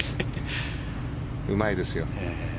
うまいですよ。